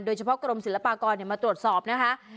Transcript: โดยเฉพาะกรมศิลปากรมาตรวจสอบนะคะ